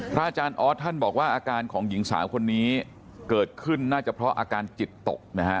อาจารย์ออสท่านบอกว่าอาการของหญิงสาวคนนี้เกิดขึ้นน่าจะเพราะอาการจิตตกนะฮะ